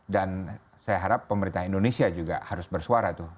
dan saya harap pemerintah indonesia juga harus bersuara